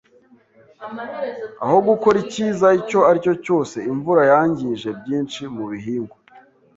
Aho gukora icyiza icyo aricyo cyose, imvura yangije byinshi mubihingwa.